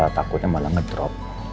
takutnya malah ngedrop